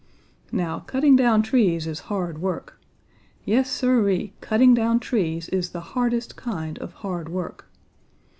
"Now cutting down trees is hard work. Yes, Siree, cutting down trees is the hardest kind of hard work.